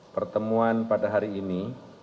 pertemuan pada hari ini